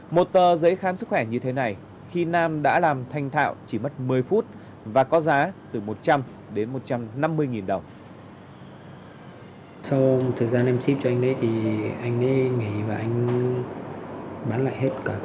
một tờ giấy khám sức khỏe như thế này khi nam đã làm thanh thạo chỉ mất một mươi phút và có giá từ một trăm linh đến một trăm năm mươi đồng